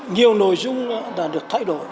nhiều nội dung đã được thay đổi